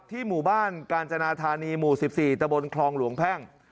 หมู่บ้านกาญจนาธานีหมู่๑๔ตะบนคลองหลวงแพ่ง